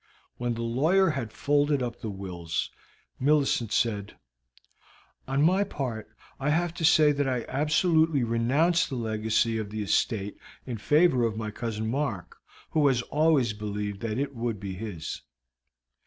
When the lawyer had folded up the wills Millicent said: "On my part, I have to say that I absolutely renounce the legacy of the estate in favor of my cousin Mark, who has always believed that it would be his."